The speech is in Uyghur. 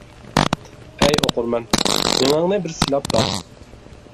ئەي ئوقۇرمەن، مېڭەڭنى بىر سىلاپ باق!